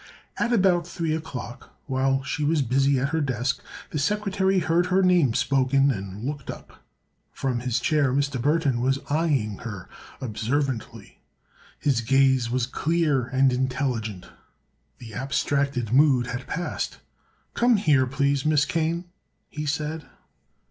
At about three o'clock, while she was busy at her desk, the secretary heard her name spoken and looked up. From his chair Mr. Burthon was eyeing her observantly. His gaze was clear and intelligent; the abstracted mood had passed. "Come here, please, Miss Kane," he said.